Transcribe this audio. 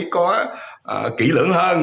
có kỹ lưỡng hơn